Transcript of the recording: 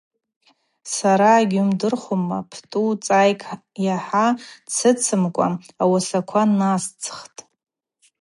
Сара, йгьуымдырхума, Птӏу, цӏайкӏ йахӏа дсыцымкӏва ауасаква насцхтӏ.